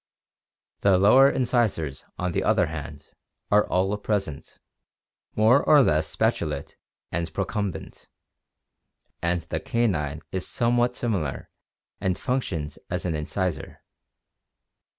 The lower incisors, on the other hand, are all present, more or less spatulate and procumbent, and the canine is some what similar and functions as an incisor.